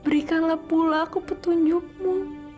berikanlah pula aku petunjukmu